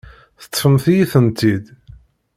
Teṭṭfemt-iyi-tent-id.